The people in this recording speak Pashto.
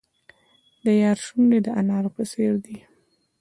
د یار شونډې د انارو په څیر دي.